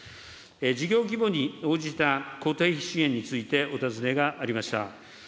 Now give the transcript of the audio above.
事業規模に応じた固定支援についてお尋ねがありました。